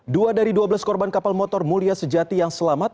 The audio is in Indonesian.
dua dari dua belas korban kapal motor mulia sejati yang selamat